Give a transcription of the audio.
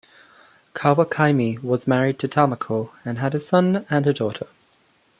Kawakami was married to Tamiko and had a son and a daughter.